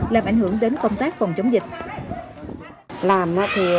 làm ảnh hưởng đến công tác phòng chống dịch